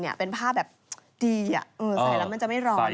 ใส่แล้วมันจะไม่ร้อนด้วย